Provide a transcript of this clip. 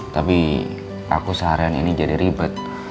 tapi aku seharian ini jadi ribet